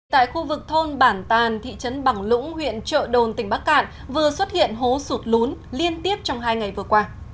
tại khu vực thôn bản tàn thị trấn bằng lũng huyện trợ đồn tỉnh bắc cạn vừa xuất hiện hố sụt lún liên tiếp trong hai ngày vừa qua